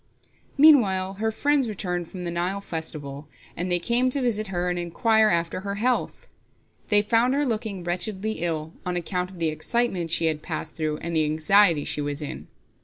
Meanwhile her friends returned from the Nile festival, and they came to visit her and inquire after her health. They found her looking wretchedly ill, on account of the excitement she had passed through and the anxiety she was in.